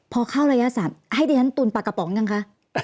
พอเข้าระยะ๓ให้ดิฉันตุนปลากระป๋องยังคะ